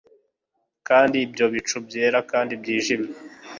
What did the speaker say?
kandi ibyo bicu byera kandi byijimye